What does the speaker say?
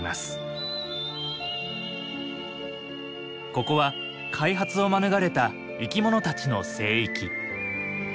ここは開発を免れた生き物たちの聖域。